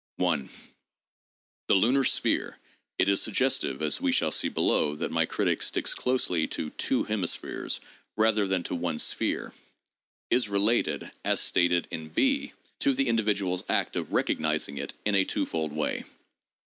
1. The lunar sphere (it is suggestive, as we shall see below, that my critic sticks closely to "two hemispheres" rather than to one sphere) is related— as stated in (&)— to the individual's act of recog nizing it in a twofold way.